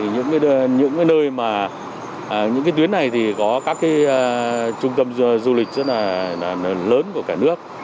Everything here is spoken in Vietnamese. những cái nơi mà những cái tuyến này thì có các cái trung tâm du lịch rất là lớn của cả nước